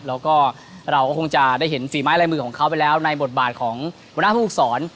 แล้วก็เราก็คงจะได้เห็นสีไม้ลายมือของเขาไปแล้วในบทบาทของบรรทัพย์ภูมิศรุกษร